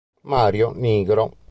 Mario Nigro